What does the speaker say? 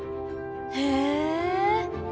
へえ。